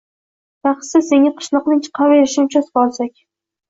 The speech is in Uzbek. Yaxshisi, senga qishloqning chiqaverishidan uchastka olsak